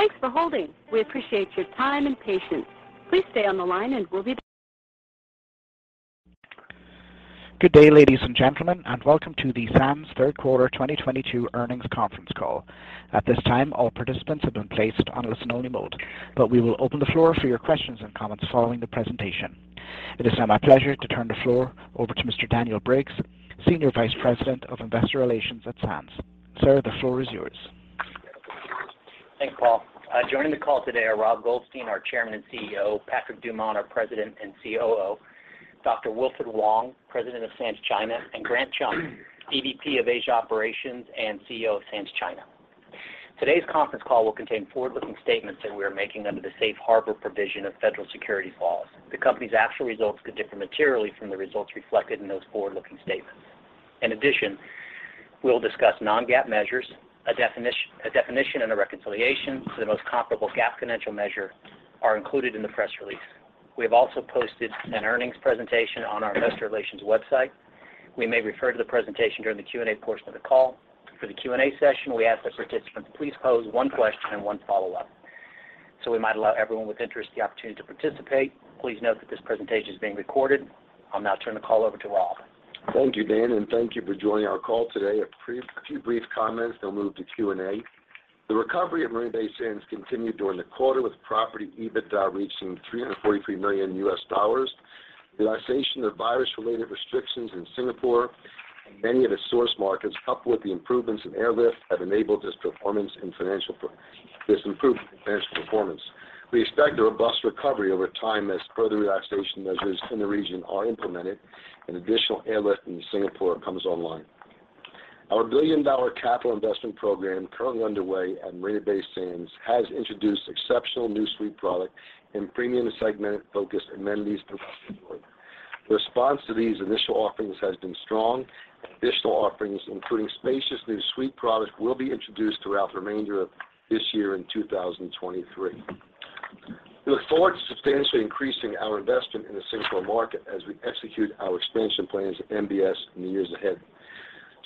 Good day, ladies and gentlemen, and welcome to the Sands Third Quarter 2022 Earnings Conference call. At this time, all participants have been placed on listen-only mode, but we will open the floor for your questions and comments following the presentation. It is now my pleasure to turn the floor over to Mr. Daniel Briggs, Senior Vice President of Investor Relations at Sands. Sir, the floor is yours. Thanks, Paul. Joining the call today are Rob Goldstein, our Chairman and CEO, Patrick Dumont, our President and COO, Dr. Wilfred Wong, President of Sands China, and Grant Chum, EVP of Asia Operations and CEO of Sands China. Today's conference call will contain forward-looking statements that we are making under the safe harbor provision of federal securities laws. The company's actual results could differ materially from the results reflected in those forward-looking statements. In addition, we'll discuss non-GAAP measures. A definition and a reconciliation to the most comparable GAAP financial measure are included in the press release. We have also posted an earnings presentation on our investor relations website. We may refer to the presentation during the Q&A portion of the call. For the Q&A session, we ask that participants please pose one question and one follow-up, so we might allow everyone with interest the opportunity to participate. Please note that this presentation is being recorded. I'll now turn the call over to Rob. Thank you, Dan, and thank you for joining our call today. A few brief comments, then we'll move to Q&A. The recovery at Marina Bay Sands continued during the quarter with property EBITDA reaching $343 million. The relaxation of virus-related restrictions in Singapore and many of the source markets, coupled with the improvements in airlift, have enabled this performance and this improvement in financial performance. We expect a robust recovery over time as further relaxation measures in the region are implemented and additional airlift into Singapore comes online. Our billion-dollar capital investment program currently underway at Marina Bay Sands has introduced exceptional new suite product and premium segment-focused amenities throughout the resort. The response to these initial offerings has been strong. Additional offerings, including spacious new suite products, will be introduced throughout the remainder of this year and 2023. We look forward to substantially increasing our investment in the Singapore market as we execute our expansion plans at MBS in the years ahead.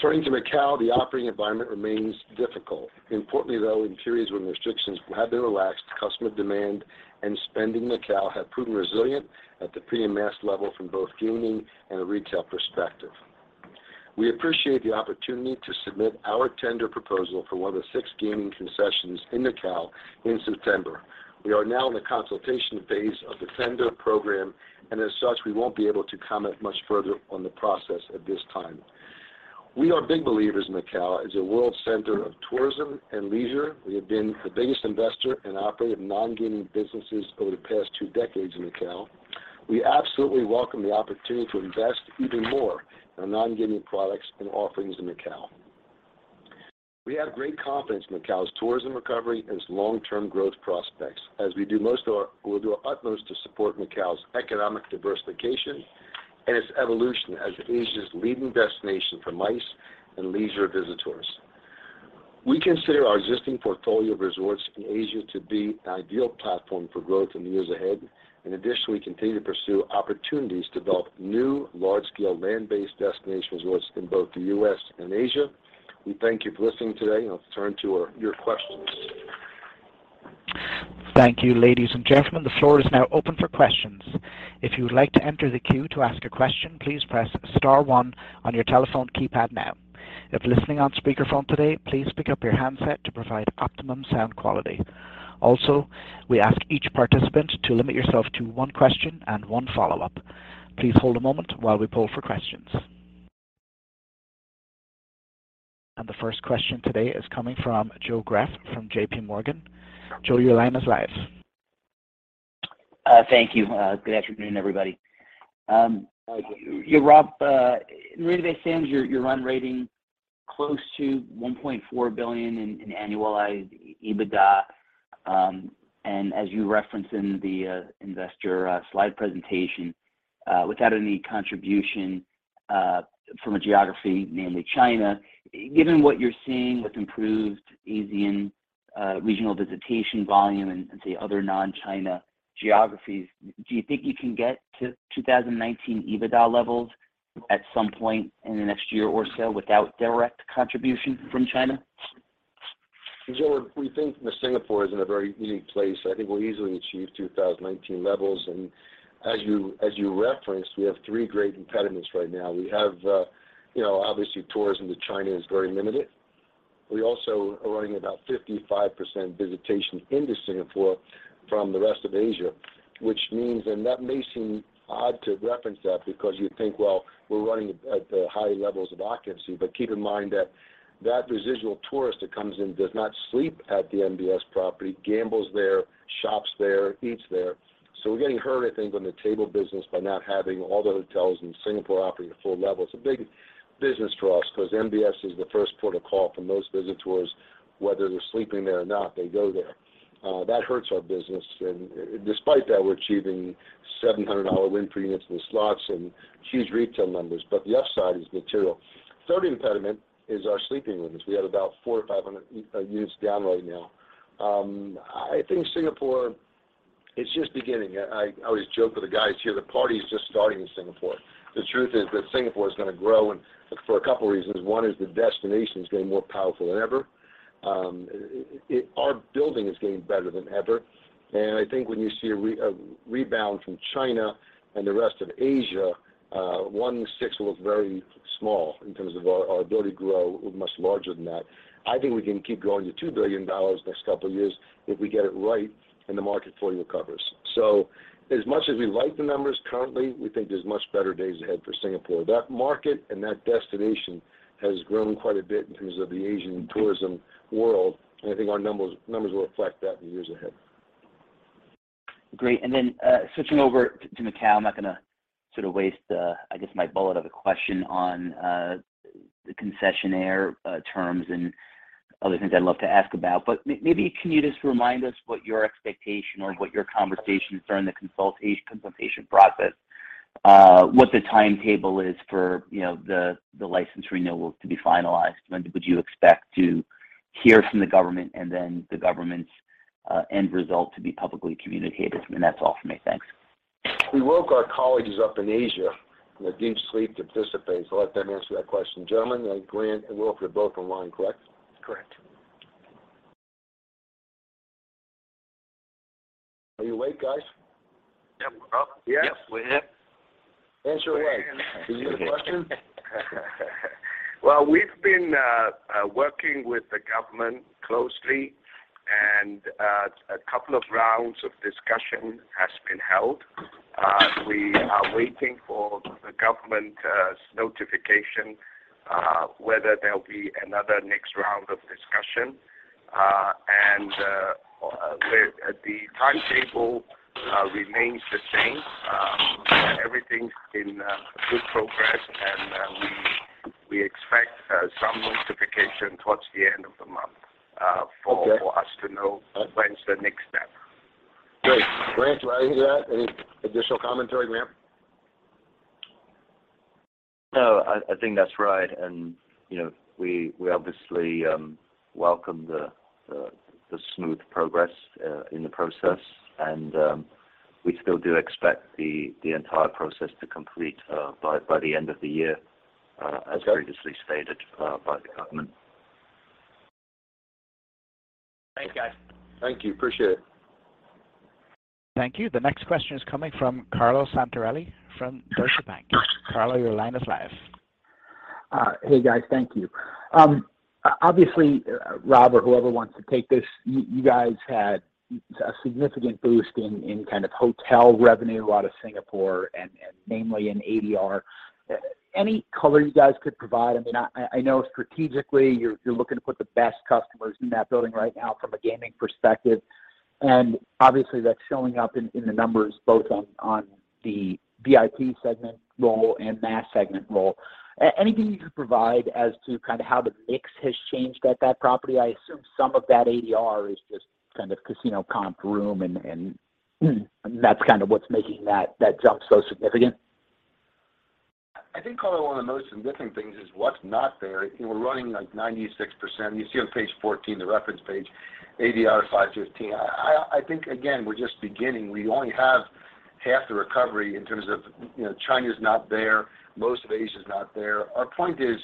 Turning to Macau, the operating environment remains difficult. Importantly, though, in periods when restrictions have been relaxed, customer demand and spend in Macau have proven resilient at the pre-pandemic level from both gaming and a retail perspective. We appreciate the opportunity to submit our tender proposal for one of the six gaming concessions in Macau in September. We are now in the consultation phase of the tender program, and as such, we won't be able to comment much further on the process at this time. We are big believers in Macau as a world center of tourism and leisure. We have been the biggest investor and operator of non-gaming businesses over the past two decades in Macau. We absolutely welcome the opportunity to invest even more in non-gaming products and offerings in Macau. We have great confidence in Macau's tourism recovery and its long-term growth prospects. We'll do our utmost to support Macau's economic diversification and its evolution as Asia's leading destination for MICE and leisure visitors. We consider our existing portfolio of resorts in Asia to be an ideal platform for growth in the years ahead, and additionally continue to pursue opportunities to develop new large-scale land-based destination resorts in both the U.S. and Asia. We thank you for listening today, and I'll turn to your questions. Thank you. Ladies and gentlemen, the floor is now open for questions. If you would like to enter the queue to ask a question, please press star one on your telephone keypad now. If listening on speakerphone today, please pick up your handset to provide optimum sound quality. Also, we ask each participant to limit yourself to one question and one follow-up. Please hold a moment while we poll for questions. The first question today is coming from Joe Greff from JPMorgan. Joe, your line is live. Thank you. Good afternoon, everybody. Yeah, Rob, Marina Bay Sands, you're run-rate close to $1.4 billion in annualized EBITDA, and as you referenced in the investor slide presentation, without any contribution from a geography, namely China. Given what you're seeing with improved ASEAN regional visitation volume and say other non-China geographies, do you think you can get to 2019 EBITDA levels at some point in the next year or so without direct contribution from China? Joe, we think that Singapore is in a very unique place. I think we'll easily achieve 2019 levels. As you referenced, we have three great impediments right now. We have, you know, obviously tourism to China is very limited. We also are running about 55% visitation into Singapore from the rest of Asia, which means, and that may seem odd to reference that because you'd think, well, we're running at high levels of occupancy. But keep in mind that that residual tourist that comes in does not sleep at the MBS property, gambles there, shops there, eats there. We're getting hurt, I think, on the table business by not having all the hotels in Singapore operating at full levels. It's a big business for us because MBS is the first port of call for most visitors, whether they're sleeping there or not, they go there. That hurts our business, and despite that, we're achieving $700 win premiums in the slots and huge retail numbers, but the upside is material. Third impediment is our sleeping rooms. We had about 400 units-500 units down right now. I think Singapore. It's just beginning. I always joke with the guys here, the party's just starting in Singapore. The truth is that Singapore is gonna grow, but for a couple reasons. One is the destination is getting more powerful than ever. Our building is getting better than ever. I think when you see a rebound from China and the rest of Asia, 16% will look very small in terms of our ability to grow, we're much larger than that. I think we can keep growing to $2 billion the next couple of years if we get it right and the market fully recovers. As much as we like the numbers currently, we think there's much better days ahead for Singapore. That market and that destination has grown quite a bit in terms of the Asian tourism world, and I think our numbers will reflect that in years ahead. Great. Switching over to Macau, I'm not gonna sort of waste, I guess, my bullet of a question on the concessionaire terms and other things I'd love to ask about. Maybe can you just remind us what your expectation or what your conversations during the consultation process what the timetable is for, you know, the license renewal to be finalized? When do you expect to hear from the government and then the government's end result to be publicly communicated? That's all from me. Thanks. We woke our colleagues up in Asia who need sleep to participate, so I'll let them answer that question. Gentlemen, Grant and Wilf, you're both online, correct? Correct. Are you awake, guys? Yep, Rob. Yes? Yes, we're here. Answer away. Can you hear the question? Well, we've been working with the government closely, and a couple of rounds of discussion has been held. We are waiting for the government notification whether there'll be another next round of discussion. The timetable remains the same. Everything's in good progress, and we expect some notification towards the end of the month for- Okay. For us to know when's the next step. Great. Grant, do I hear that? Any additional commentary, Grant? No, I think that's right. You know, we obviously welcome the smooth progress in the process. We still do expect the entire process to complete by the end of the year. Okay. As previously stated, by the government. Thanks, guys. Thank you. Appreciate it. Thank you. The next question is coming from Carlo Santarelli from Deutsche Bank. Carlo, your line is live. Hey, guys. Thank you. Obviously, Rob or whoever wants to take this, you guys had a significant boost in kind of hotel revenue out of Singapore and namely in ADR. Any color you guys could provide? I mean, I know strategically you're looking to put the best customers in that building right now from a gaming perspective. Obviously that's showing up in the numbers both in the VIP and mass segments. Anything you can provide as to kind of how the mix has changed at that property? I assume some of that ADR is just kind of casino comp room and that's kind of what's making that jump so significant. I think, Carlo, one of the most significant things is what's not there. You know, we're running, like, 96%. You see on page 14, the reference page, ADR $515. I think, again, we're just beginning. We only have half the recovery in terms of, you know, China's not there, most of Asia's not there. Our point is,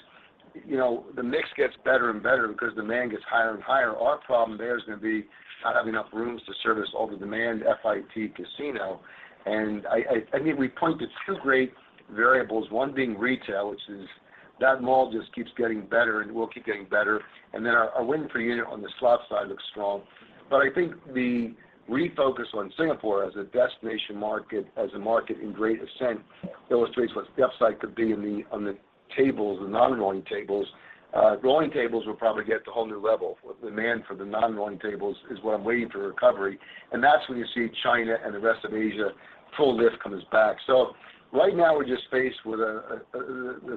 you know, the mix gets better and better because demand gets higher and higher. Our problem there is gonna be not having enough rooms to service all the demand FIT casino. I think we pointed to two great variables. One being retail, which is that mall just keeps getting better and will keep getting better. Then our win per unit on the slot side looks strong. I think the refocus on Singapore as a destination market, as a market in great ascent, illustrates what the upside could be in the on the tables, the non-rolling tables. Rolling tables will probably get to a whole new level. Demand for the non-rolling tables is what I'm waiting for recovery, and that's when you see China and the rest of Asia full lift comes back. Right now we're just faced with the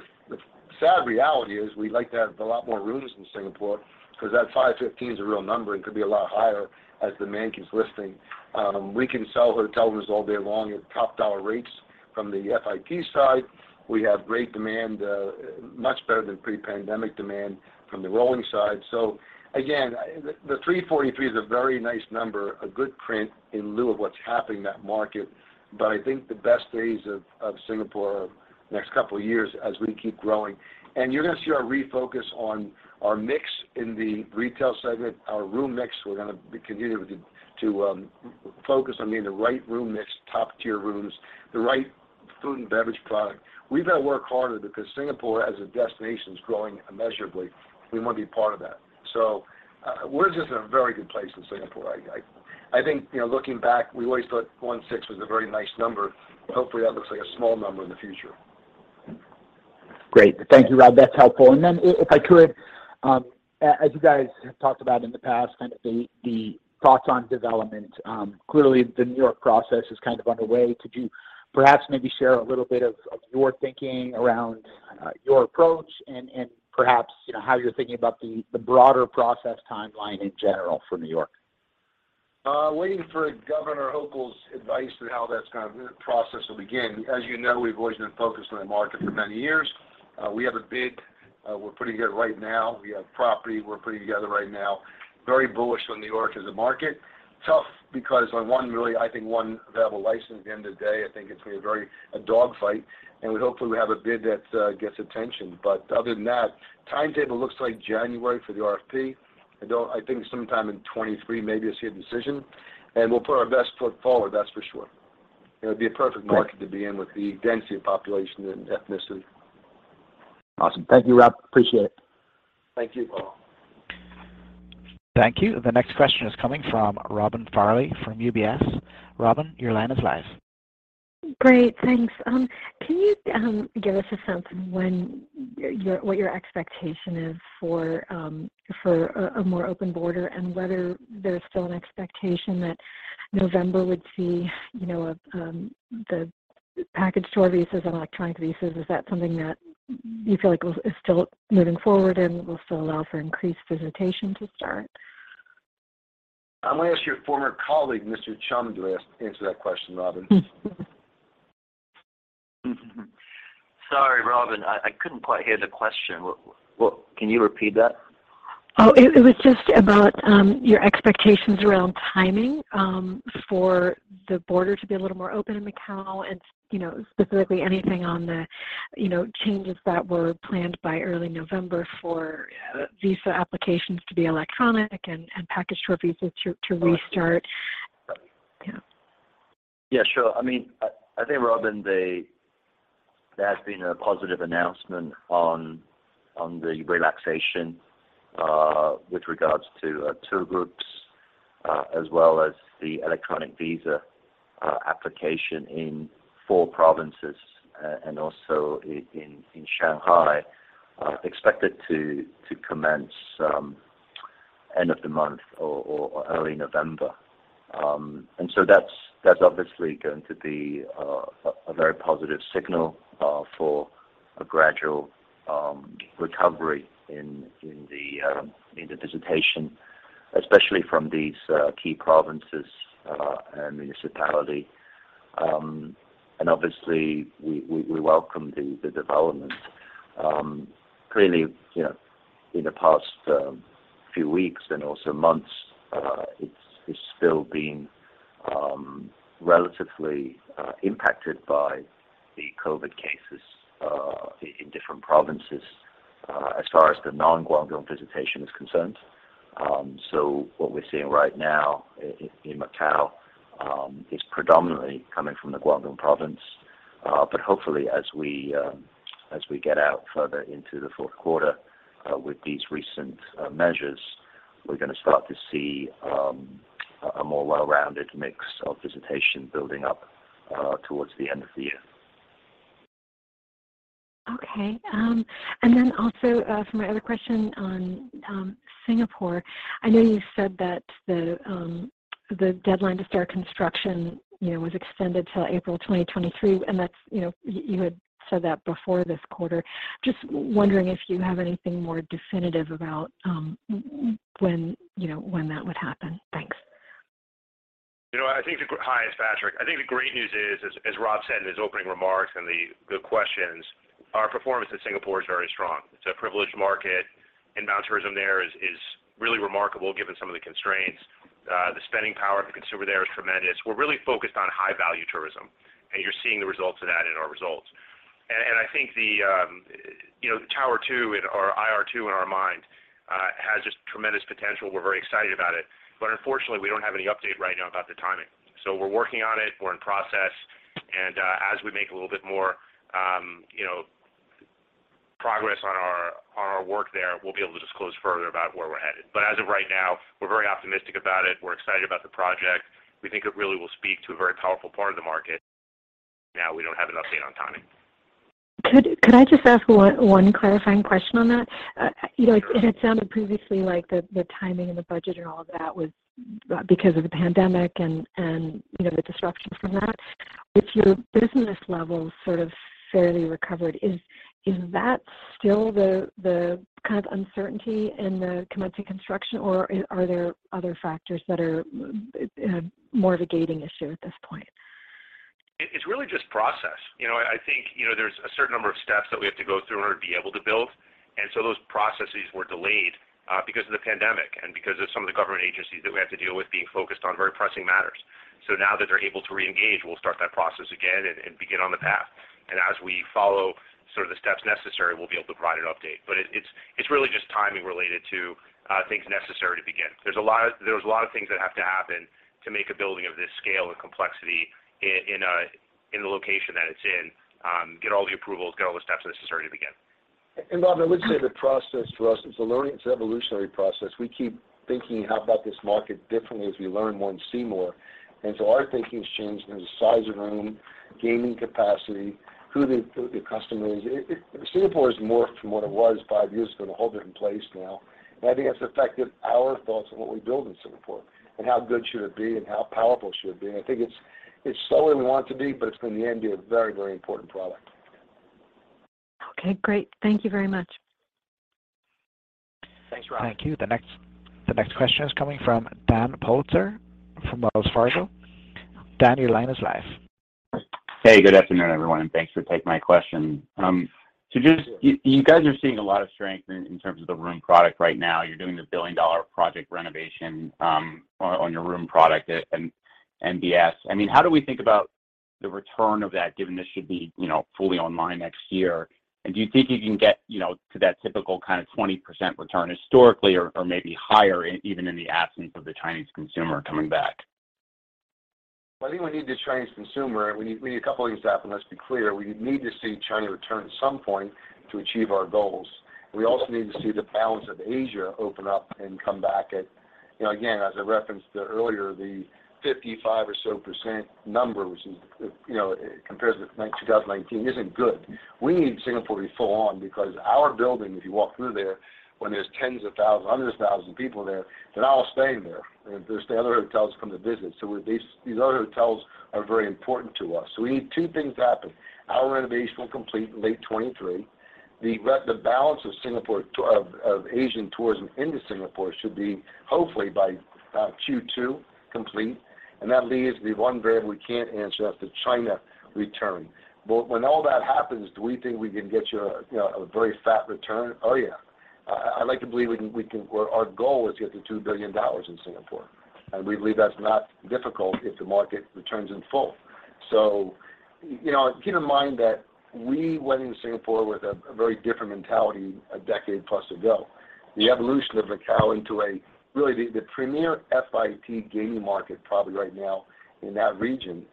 sad reality is we'd like to have a lot more rooms in Singapore because that 515 is a real number and could be a lot higher as demand keeps lifting. We can sell hotel rooms all day long at top dollar rates from the FIT side. We have great demand, much better than pre-pandemic demand from the rolling side. Again, 343 is a very nice number, a good print in light of what's happening in that market. I think the best days of Singapore are next couple of years as we keep growing. You're gonna see our refocus on our mix in the retail segment, our room mix. We're gonna continue to focus on getting the right room mix, top-tier rooms, the right food and beverage product. We've got to work harder because Singapore as a destination is growing immeasurably. We want to be part of that. We're just in a very good place in Singapore. I think, you know, looking back, we always thought 16 was a very nice number. Hopefully, that looks like a small number in the future. Great. Thank you, Rob. That's helpful. If I could, as you guys have talked about in the past, kind of the thoughts on development, clearly the New York process is kind of underway. Could you perhaps maybe share a little bit of your thinking around your approach and perhaps, you know, how you're thinking about the broader process timeline in general for New York? Waiting for Kathy Hochul's advice on the process will begin. As you know, we've always been focused on the market for many years. We're putting it together right now. We have property we're putting together right now. Very bullish on New York as a market. Tough because I think one available license at the end of the day, I think it's gonna be a dogfight, and we hopefully will have a bid that gets attention. Other than that, timetable looks like January for the RFP. I think sometime in 2023 maybe you'll see a decision, and we'll put our best foot forward, that's for sure. It'll be a perfect market to be in with the density of population and ethnicity. Awesome. Thank you, Rob. Appreciate it. Thank you. Thank you. The next question is coming from Robin Farley from UBS. Robin, your line is live. Great. Thanks. Can you give us a sense of what your expectation is for a more open border and whether there's still an expectation that November would see, you know, the package tour visas and electronic visas? Is that something that you feel like is still moving forward and will still allow for increased visitation to start? I'm gonna ask your former colleague, Mr. Chum, to answer that question, Robin. Sorry, Robin, I couldn't quite hear the question. What? Can you repeat that? It was just about your expectations around timing for the border to be a little more open in Macau and, you know, specifically anything on the changes that were planned by early November for visa applications to be electronic and package tour visas to restart. Yeah. Yeah, sure. I mean, I think, Robin, there has been a positive announcement on the relaxation with regards to tour groups as well as the electronic visa application in four provinces and also in Shanghai expected to commence end of the month or early November. That's obviously going to be a very positive signal for a gradual recovery in the visitation, especially from these key provinces and municipality. Obviously we welcome the development. Clearly, you know, in the past few weeks and also months, it's still been relatively impacted by the COVID cases in different provinces as far as the non-Guangdong visitation is concerned. What we're seeing right now in Macau is predominantly coming from the Guangdong Province. Hopefully as we get out further into the fourth quarter with these recent measures, we're gonna start to see a more well-rounded mix of visitation building up towards the end of the year. Okay. Also, for my other question on Singapore. I know you said that the deadline to start construction, you know, was extended to April 2023, and that's, you know, you had said that before this quarter. Just wondering if you have anything more definitive about when, you know, when that would happen. Thanks. You know, Hi, it's Patrick. I think the great news is, as Rob said in his opening remarks and the questions, our performance in Singapore is very strong. It's a privileged market. Inbound tourism there is really remarkable given some of the constraints. The spending power of the consumer there is tremendous. We're really focused on high-value tourism, and you're seeing the results of that in our results. I think the tower two or IR 2 in our mind has just tremendous potential. We're very excited about it. Unfortunately, we don't have any update right now about the timing. We're working on it. We're in process. As we make a little bit more progress on our work there, we'll be able to disclose further about where we're headed. As of right now, we're very optimistic about it. We're excited about the project. We think it really will speak to a very powerful part of the market. Now we don't have an update on timing. Could I just ask one clarifying question on that? You know Sure. It had sounded previously like the timing and the budget and all of that was because of the pandemic and, you know, the disruptions from that. With your business levels sort of fairly recovered, is that still the kind of uncertainty in the commencing construction, or are there other factors that are more of a gating issue at this point? It's really just process. You know, I think, you know, there's a certain number of steps that we have to go through in order to be able to build. Those processes were delayed because of the pandemic and because of some of the government agencies that we had to deal with being focused on very pressing matters. Now that they're able to reengage, we'll start that process again and begin on the path. As we follow sort of the steps necessary, we'll be able to provide an update. It's really just timing related to things necessary to begin. There's a lot of things that have to happen to make a building of this scale and complexity in the location that it's in, get all the approvals, get all the steps necessary to begin. Robin, I would say the process for us, it's a learning, it's an evolutionary process. We keep thinking about this market differently as we learn more and see more. Our thinking has changed in the size of room, gaming capacity, who the customer is. Singapore has morphed from what it was five years ago into a whole different place now. I think that's affected our thoughts on what we build in Singapore, and how good should it be and how powerful should it be. I think it's slower than we want it to be, but it's going to, in the end, be a very, very important product. Okay, great. Thank you very much. Thanks, Rob. Thank you. The next question is coming from Daniel Politzer from Wells Fargo. Dan, your line is live. Hey, good afternoon, everyone, and thanks for taking my question. So just you guys are seeing a lot of strength in terms of the room product right now. You're doing the billion-dollar project renovation on your room product in MBS. I mean, how do we think about the return of that, given this should be, you know, fully online next year? Do you think you can get, you know, to that typical kind of 20% return historically or maybe higher even in the absence of the Chinese consumer coming back? I think we need the Chinese consumer. We need a couple of things to happen. Let's be clear. We need to see China return at some point to achieve our goals. We also need to see the balance of Asia open up and come back at, you know, again, as I referenced earlier, the 55% or so number, which is, you know, compares with 2019 isn't good. We need Singapore to be full on because our building, if you walk through there when there's tens of thousands, hundreds of thousands of people there, they're all staying there. There's the other hotels come to visit. These other hotels are very important to us. We need two things to happen. Our renovation will complete in late 2023. The balance of Asian tourism into Singapore should be, hopefully, by Q2 complete. That leaves the one variable we can't answer, that's the China return. When all that happens, do we think we can get your, you know, a very fat return? Oh, yeah. I like to believe we can. Well, our goal is to get to $2 billion in Singapore, and we believe that's not difficult if the market returns in full. You know, keep in mind that we went into Singapore with a very different mentality a decade plus ago. The evolution of Macau into a really the premier FIT gaming market probably right now in that region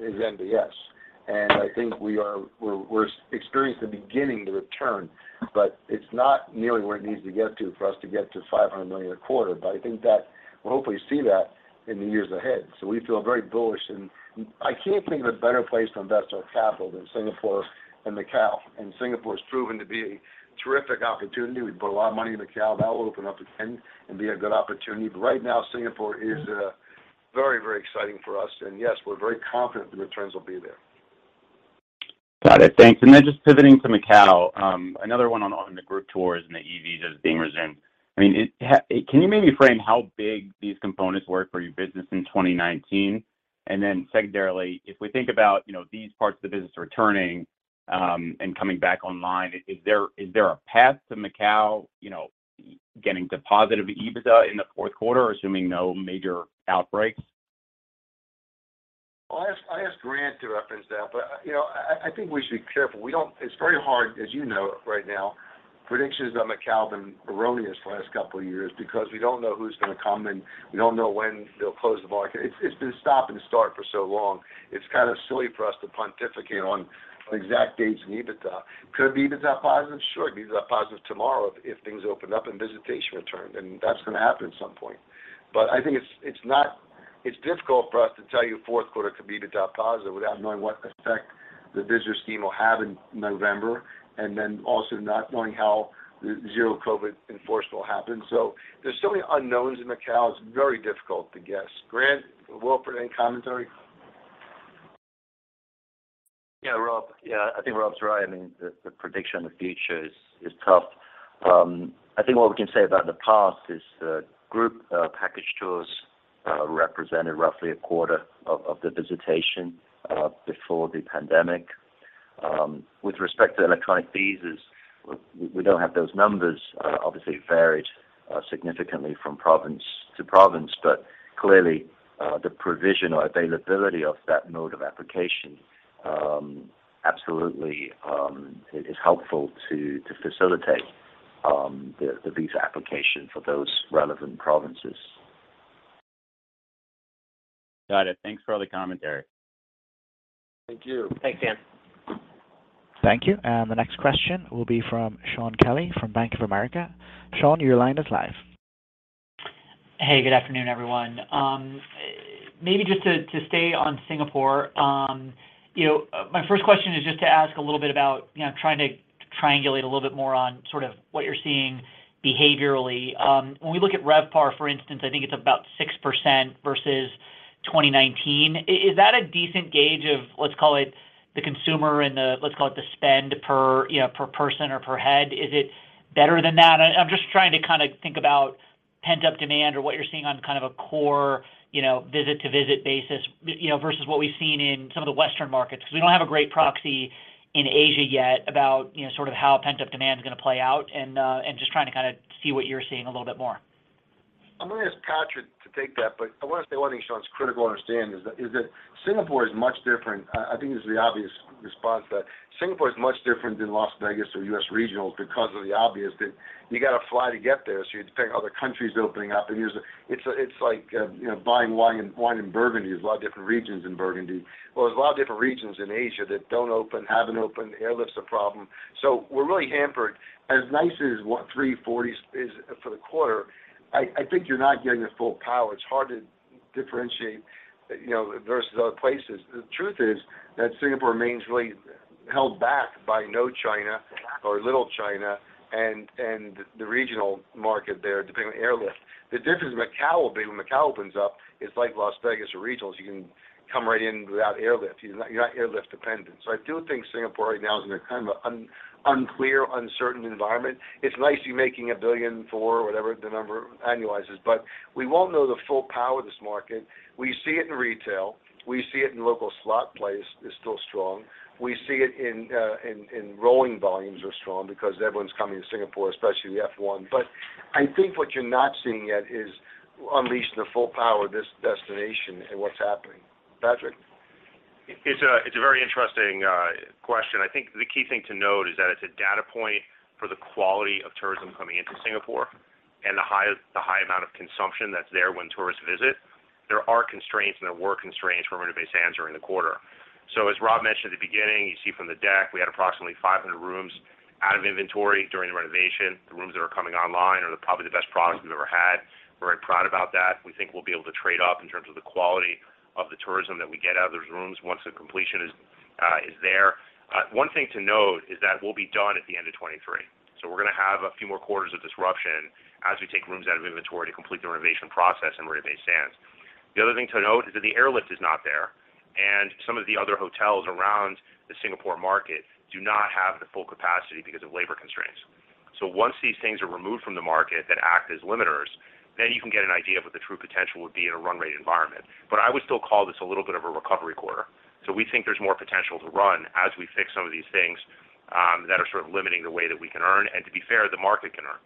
is MBS. I think we're experiencing the beginning of the return, but it's not nearly where it needs to get to for us to get to $500 million a quarter. I think that we'll hopefully see that in the years ahead. We feel very bullish and I can't think of a better place to invest our capital than Singapore and Macau. Singapore's proven to be a terrific opportunity. We put a lot of money in Macau, that will open up again and be a good opportunity. Right now Singapore is very, very exciting for us. Yes, we're very confident the returns will be there. Got it. Thanks. Just pivoting to Macau, another one on the group tours and the e-visas being resumed. I mean, can you maybe frame how big these components were for your business in 2019? Secondarily, if we think about, you know, these parts of the business returning and coming back online, is there a path to Macau, you know, getting to positive EBITDA in the fourth quarter, assuming no major outbreaks? Well, I asked Grant to reference that, but, you know, I think we should be careful. We don't. It's very hard, as you know, right now, predictions about Macau have been erroneous the last couple of years because we don't know who's going to come, and we don't know when they'll close the market. It's been stop and start for so long. It's kind of silly for us to pontificate on exact dates and EBITDA. Could EBITDA be positive? Sure, EBITDA positive tomorrow if things open up and visitation returned, and that's going to happen at some point. But I think it's not. It's difficult for us to tell you fourth quarter could be EBITDA positive without knowing what effect the visitor scheme will have in November and then also not knowing how the zero-COVID enforcement will happen. There's so many unknowns in Macau, it's very difficult to guess. Grant, you want to put any commentary? Yeah, Rob. Yeah, I think Rob's right. I mean, the prediction of the future is tough. I think what we can say about the past is that group package tours represented roughly a quarter of the visitation before the pandemic. With respect to electronic visas, we don't have those numbers. Obviously varied significantly from province to province. Clearly, the provision or availability of that mode of application absolutely is helpful to facilitate the visa application for those relevant provinces. Got it. Thanks for all the commentary. Thank you. Thanks, Dan. Thank you. The next question will be from Shaun Kelley from Bank of America. Shaun, your line is live. Hey, good afternoon, everyone. Maybe just to stay on Singapore, you know, my first question is just to ask a little bit about, you know, trying to triangulate a little bit more on sort of what you're seeing behaviorally. When we look at RevPAR, for instance, I think it's about 6% versus 2019. Is that a decent gauge of, let's call it the consumer and the, let's call it the spend per, you know, per person or per head? Is it better than that? I'm just trying to kind of think about pent-up demand or what you're seeing on kind of a core, you know, visit-to-visit basis, you know, versus what we've seen in some of the Western markets. Because we don't have a great proxy in Asia yet about, you know, sort of how pent-up demand is going to play out and just trying to kind of see what you're seeing a little bit more. I'm going to ask Patrick to take that, but I want to say one thing, Shaun, it's critical to understand is that Singapore is much different. I think this is the obvious response that Singapore is much different than Las Vegas or US regional because of the obvious that you got to fly to get there. You depend on other countries opening up. There's a—it's like, you know, buying wine in Burgundy. Well, there's a lot of different regions in Burgundy. Well, there's a lot of different regions in Asia that don't open, haven't opened, airlift's a problem. So we're really hampered. As nice as what $340 is for the quarter, I think you're not getting the full power. It's hard to differentiate, you know, versus other places. The truth is that Singapore remains really held back by no China or little China and the regional market there, depending on airlift. The difference Macao will be when Macao opens up, it's like Las Vegas or regionals. You can come right in without airlift. You're not airlift dependent. I do think Singapore right now is in a kind of an uncertain environment. It's nice you're making $1 billion for whatever the number annualizes is. We won't know the full power of this market. We see it in retail, we see it in local slot plays is still strong. We see it in rolling volumes are strong because everyone's coming to Singapore, especially the F1. I think what you're not seeing yet is unleashing the full power of this destination and what's happening. Patrick? It's a very interesting question. I think the key thing to note is that it's a data point for the quality of tourism coming into Singapore and the high amount of consumption that's there when tourists visit. There are constraints and there were constraints from Marina Bay Sands during the quarter. As Rob mentioned at the beginning, you see from the deck, we had approximately 500 rooms out of inventory during the renovation. The rooms that are coming online are probably the best product we've ever had. We're very proud about that. We think we'll be able to trade up in terms of the quality of the tourism that we get out of those rooms once the completion is there. One thing to note is that we'll be done at the end of 2023. We're gonna have a few more quarters of disruption as we take rooms out of inventory to complete the renovation process in Marina Bay Sands. The other thing to note is that the airlift is not there, and some of the other hotels around the Singapore market do not have the full capacity because of labor constraints. Once these things are removed from the market that act as limiters, then you can get an idea of what the true potential would be in a run rate environment. I would still call this a little bit of a recovery quarter. We think there's more potential to run as we fix some of these things, that are sort of limiting the way that we can earn, and to be fair, the market can earn.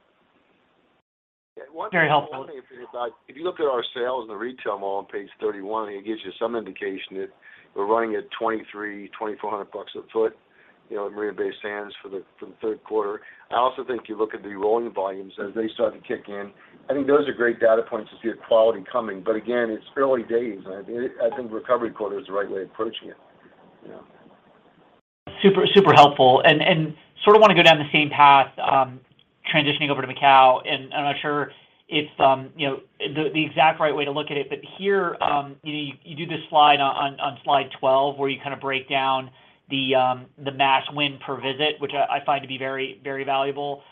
Very helpful. One thing, if you look at our sales in the retail mall on page 31, it gives you some indication that we're running at $2,300-$2,400 a foot, you know, in Marina Bay Sands for the third quarter. I also think you look at the rolling volumes as they start to kick in. I think those are great data points to see a quality coming. Again, it's early days. I think recovery quarter is the right way of approaching it, you know. Super helpful. Sort of wanna go down the same path, transitioning over to Macau. I'm not sure if you know the exact right way to look at it. Here you do this slide on slide 12, where you kind of break down the mass win per visit, which I find to be very valuable.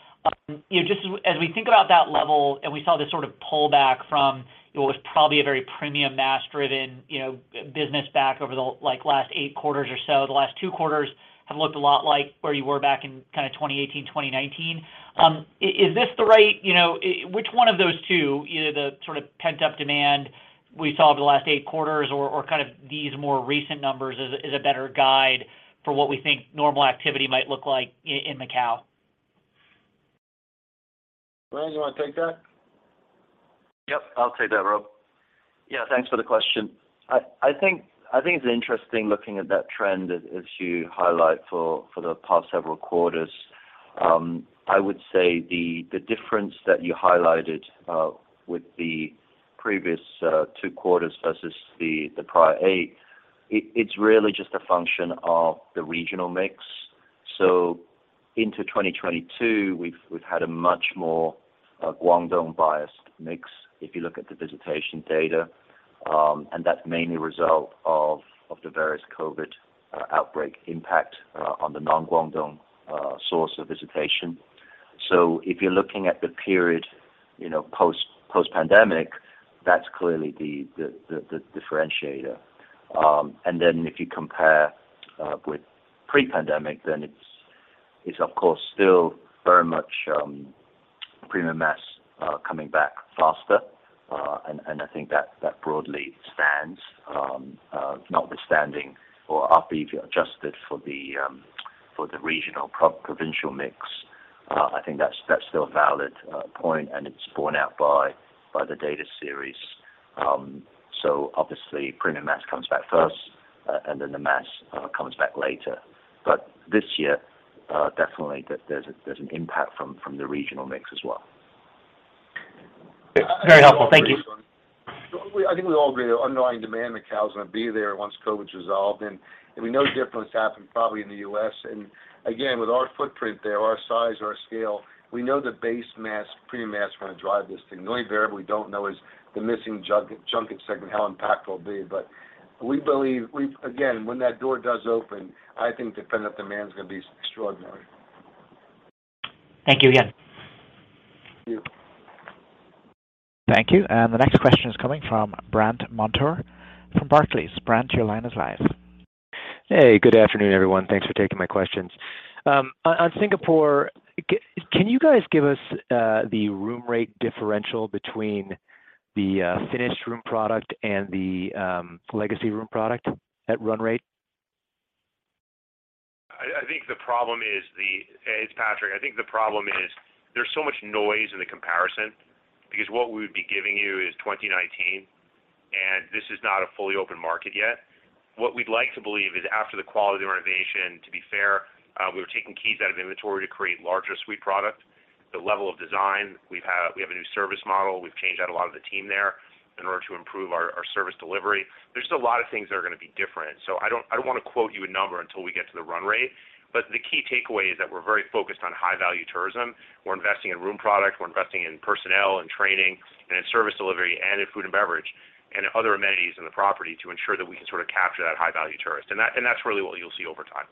You know, just as we think about that level and we saw this sort of pullback from what was probably a very premium mass-driven, you know, business back over the like last eight quarters or so, the last two quarters have looked a lot like where you were back in kinda 2018, 2019. Is this the right... You know, which one of those two, either the sort of pent-up demand we saw over the last eight quarters or kind of these more recent numbers is a better guide for what we think normal activity might look like in Macau? Grant, you wanna take that? Yep, I'll take that, Rob. Yeah, thanks for the question. I think it's interesting looking at that trend as you highlight for the past several quarters. I would say the difference that you highlighted with the previous two quarters versus the prior eight, it's really just a function of the regional mix. Into 2022, we've had a much more Guangdong biased mix, if you look at the visitation data, and that's mainly a result of the various COVID outbreak impact on the non-Guangdong source of visitation. If you're looking at the period, you know, post-pandemic, that's clearly the differentiator. Then if you compare with pre-pandemic, it's of course still very much premium mass coming back faster. I think that broadly stands, notwithstanding or after you've adjusted for the regional provincial mix. I think that's still a valid point, and it's borne out by the data series. Obviously premium mass comes back first, and then the mass comes back later. This year, definitely there's an impact from the regional mix as well. Very helpful. Thank you. I think we all agree underlying demand in Macau is gonna be there once COVID's resolved. We know the difference happened probably in the U.S. Again, with our footprint there, our size, our scale, we know the base mass, premium mass wanna drive this thing. The only variable we don't know is the missing junket segment, how impactful it will be. We believe again, when that door does open, I think the pent-up demand is gonna be extraordinary. Thank you again. Thank you. Thank you. The next question is coming from Brandt Montour from Barclays. Brant, your line is live. Hey. Good afternoon, everyone. Thanks for taking my questions. On Singapore, can you guys give us the room rate differential between the finished room product and the legacy room product at run rate? Hey, it's Patrick. I think the problem is there's so much noise in the comparison because what we would be giving you is 2019, and this is not a fully open market yet. What we'd like to believe is after the quality renovation, to be fair, we were taking keys out of inventory to create larger suite product. The level of design. We have a new service model. We've changed out a lot of the team there in order to improve our service delivery. There's just a lot of things that are gonna be different. I don't wanna quote you a number until we get to the run rate. The key takeaway is that we're very focused on high value tourism. We're investing in room product, we're investing in personnel and training, and in service delivery, and in food and beverage. Other amenities in the property to ensure that we can sort of capture that high-value tourist. That's really what you'll see over time.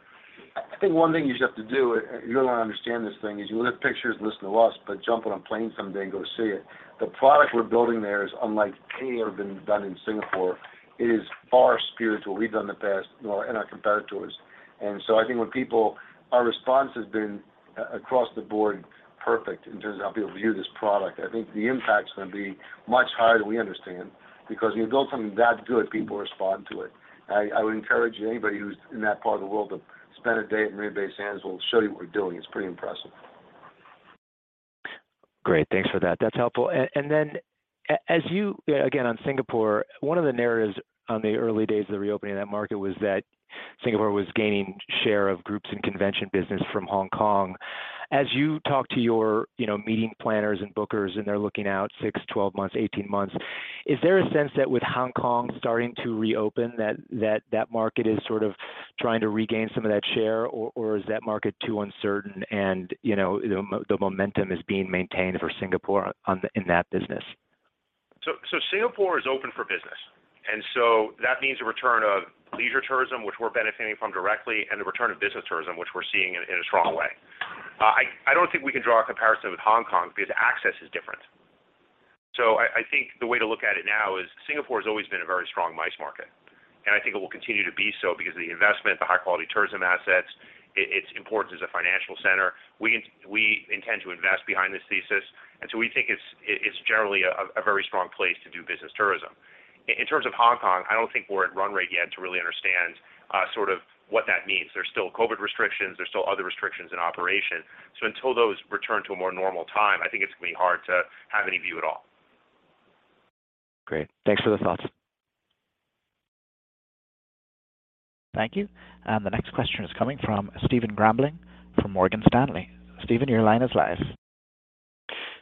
I think one thing you just have to do, you really want to understand this thing, is you look at pictures and listen to us, but jump on a plane someday and go see it. The product we're building there is unlike any other been done in Singapore. It is far superior to what we've done in the past and our competitors. I think when people, our response has been across the board perfect in terms of how people view this product. I think the impact is going to be much higher than we understand because when you build something that good, people respond to it. I would encourage anybody who's in that part of the world to spend a day at Marina Bay Sands. We'll show you what we're doing. It's pretty impressive. Great. Thanks for that. That's helpful. Again, on Singapore, one of the narratives on the early days of the reopening of that market was that Singapore was gaining share of groups and convention business from Hong Kong. As you talk to your, you know, meeting planners and bookers, and they're looking out 6 months, 12 months, 18 months, is there a sense that with Hong Kong starting to reopen that market is sort of trying to regain some of that share, or is that market too uncertain and, you know, the momentum is being maintained for Singapore in that business? Singapore is open for business. That means a return of leisure tourism, which we're benefiting from directly, and the return of business tourism, which we're seeing in a strong way. I don't think we can draw a comparison with Hong Kong because access is different. I think the way to look at it now is Singapore has always been a very strong MICE market, and I think it will continue to be so because of the investment, the high-quality tourism assets, its importance as a financial center. We intend to invest behind this thesis, and so we think it's generally a very strong place to do business tourism. In terms of Hong Kong, I don't think we're at run rate yet to really understand sort of what that means. There's still COVID restrictions, there's still other restrictions in operation. Until those return to a more normal time, I think it's going to be hard to have any view at all. Great. Thanks for the thoughts. Thank you. The next question is coming from Stephen Grambling from Morgan Stanley. Steven, your line is live.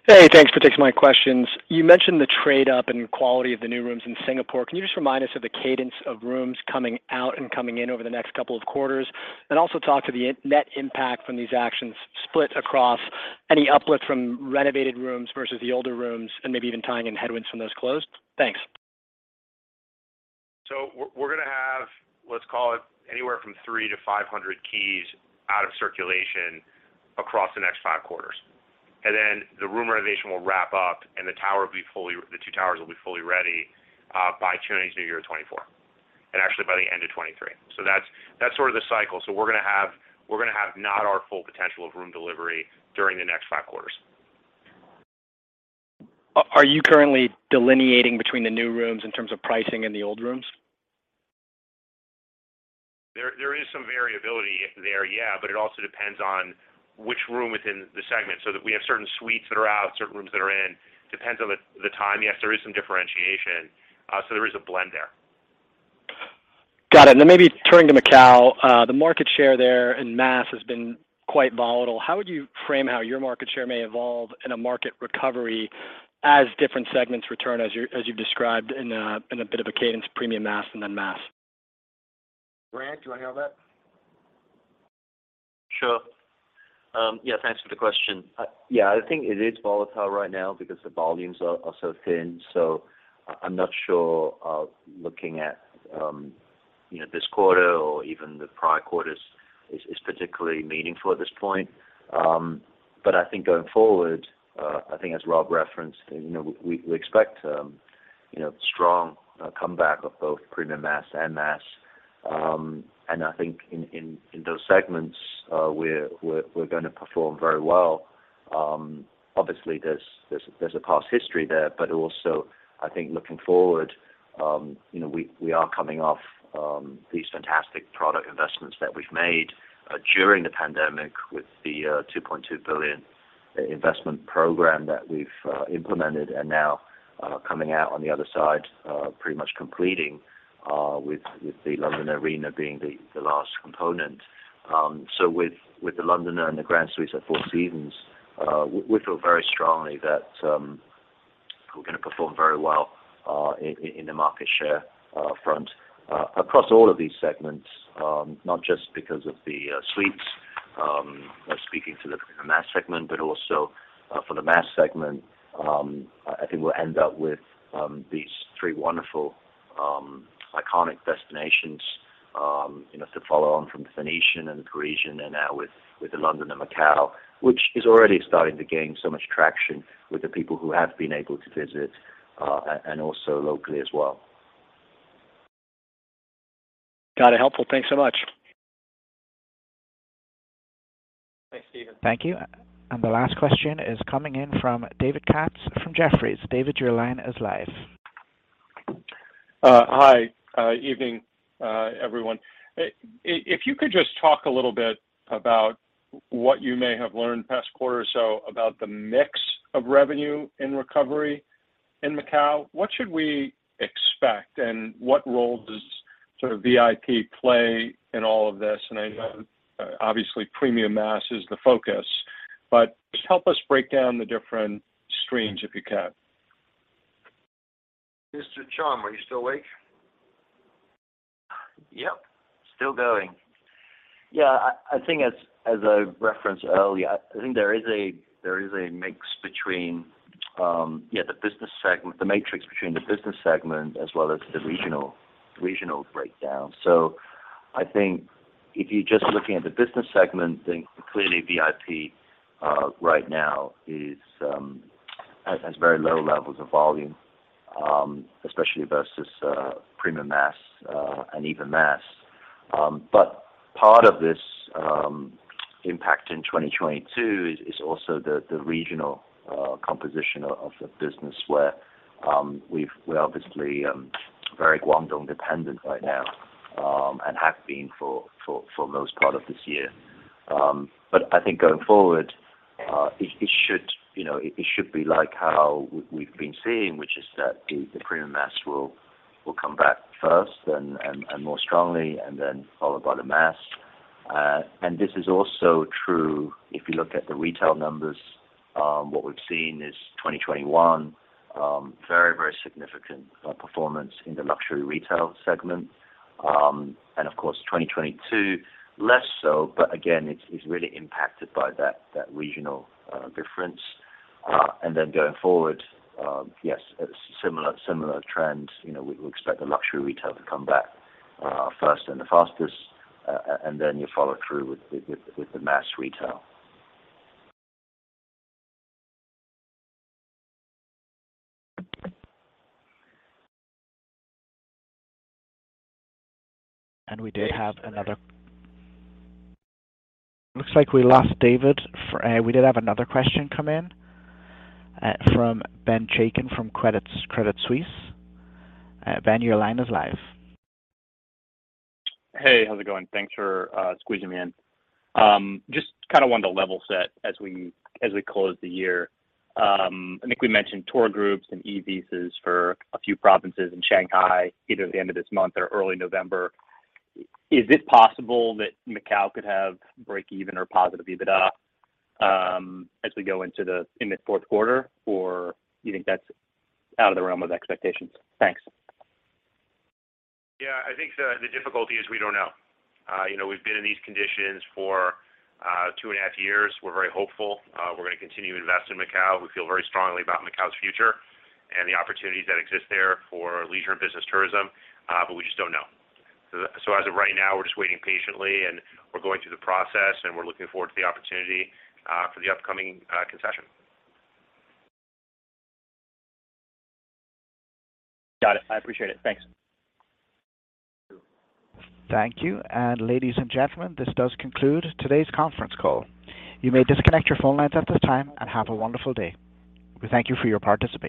Hey, thanks for taking my questions. You mentioned the trade-up and quality of the new rooms in Singapore. Can you just remind us of the cadence of rooms coming out and coming in over the next couple of quarters? And also talk to the net impact from these actions split across any uplift from renovated rooms versus the older rooms, and maybe even tying in headwinds from those closed. Thanks. We're gonna have, let's call it anywhere from 300 keys-500 keys out of circulation across the next five quarters. Then the room renovation will wrap up, and the two towers will be fully ready by Chinese New Year of 2024. Actually by the end of 2023. That's sort of the cycle. We're gonna have not our full potential of room delivery during the next five quarters. Are you currently delineating between the new rooms in terms of pricing and the old rooms? There is some variability there, yeah, but it also depends on which room within the segment, so that we have certain suites that are out, certain rooms that are in. Depends on the time. Yes, there is some differentiation, so there is a blend there. Got it. Maybe turning to Macau, the market share there in mass has been quite volatile. How would you frame how your market share may evolve in a market recovery as different segments return, as you've described in a bit of a cadence premium mass and then mass? Grant, do you want to handle that? Sure. Yeah, thanks for the question. Yeah, I think it is volatile right now because the volumes are so thin. I'm not sure looking at you know this quarter or even the prior quarters is particularly meaningful at this point. I think going forward I think as Rob referenced you know we expect you know strong comeback of both premium mass and mass. I think in those segments we're gonna perform very well. Obviously, there's a past history there, but also I think looking forward, you know, we are coming off these fantastic product investments that we've made during the pandemic with the $2.2 billion investment program that we've implemented and now coming out on the other side pretty much completing with The Londoner Arena being the last component. With The Londoner and the Grand Suites at Four Seasons, we feel very strongly that we're gonna perform very well in the market share front across all of these segments, not just because of the suites speaking to the mass segment, but also for the mass segment. I think we'll end up with these three wonderful iconic destinations, you know, to follow on from the Venetian and the Parisian and now with The Londoner in Macau, which is already starting to gain so much traction with the people who have been able to visit and also locally as well. Got it. Helpful. Thanks so much. Thanks, Steven. Thank you. The last question is coming in from David Katz from Jefferies. David, your line is live. Hi. Evening, everyone. If you could just talk a little bit about what you may have learned the past quarter or so about the mix of revenue in recovery in Macau. What should we expect, and what role does sort of VIP play in all of this? I know, obviously premium mass is the focus, but just help us break down the different streams, if you can. Mr. Chum, are you still awake? Yep. Still going. Yeah, I think as I referenced earlier, I think there is a mix between the business segment as well as the regional breakdown. I think if you're just looking at the business segment, then clearly VIP right now has very low levels of volume, especially versus premium mass and even mass. But part of this impact in 2022 is also the regional composition of the business where we're obviously very Guangdong dependent right now and have been for most part of this year. I think going forward, it should be like how we've been seeing, which is that the premium mass will come back first and more strongly and then followed by the mass. This is also true if you look at the retail numbers. What we've seen is 2021, very significant performance in the luxury retail segment. Of course, 2022 less so, but again, it's really impacted by that regional difference. Going forward, yes, similar trends. You know, we expect the luxury retail to come back first and the fastest, and then you follow through with the mass retail. Looks like we lost David. We did have another question come in from Benjamin Chaiken from Credit Suisse. Ben, your line is live. Hey, how's it going? Thanks for squeezing me in. Just kinda wanted to level set as we close the year. I think we mentioned tour groups and e-visas for a few provinces in Shanghai, either the end of this month or early November. Is it possible that Macau could have break even or positive EBITDA as we go into the fourth quarter? Or you think that's out of the realm of expectations? Thanks. Yeah. I think the difficulty is we don't know. You know, we've been in these conditions for two and a half years. We're very hopeful. We're gonna continue to invest in Macau. We feel very strongly about Macau's future and the opportunities that exist there for leisure and business tourism, but we just don't know. As of right now, we're just waiting patiently and we're going through the process, and we're looking forward to the opportunity for the upcoming concession. Got it. I appreciate it. Thanks. Thank you. Ladies and gentlemen, this does conclude today's conference call. You may disconnect your phone lines at this time and have a wonderful day. We thank you for your participation.